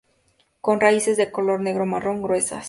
Con raíces de color negro-marrón, gruesas.